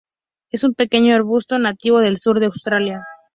Es un pequeño arbusto nativo del sur de Australia.